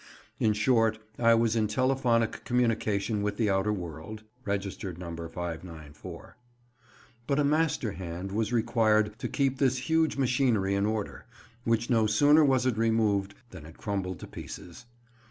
In short I was in telephonic communication with the outer world (registered number 594). But a master hand was required to keep this huge machinery in order, which, no sooner was it removed, than it crumbled to pieces.